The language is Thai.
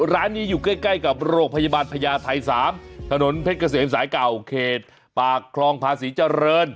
ร้านนี้อยู่ใกล้กับโรงพยาบาลพญาไทย๓ถนนเพชรเกษมสายเก่าเขตปากคลองภาษีเจริญ